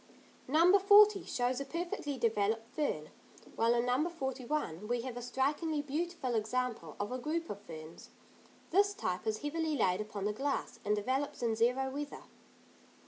No. 40 shows a perfectly developed fern; while in No. 41 we have a strikingly beautiful example of a group of ferns; this type is heavily laid upon the glass, and develops in zero weather.